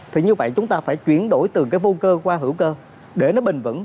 thì như vậy chúng ta phải chuyển đổi từ cái vô cơ qua hữu cơ để nó bình vững